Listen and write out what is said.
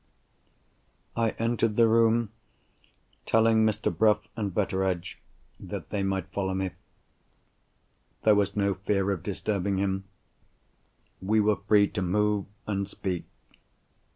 I entered the room, telling Mr. Bruff and Betteredge that they might follow me. There was no fear of disturbing him. We were free to move and speak.